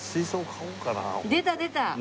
出た出た！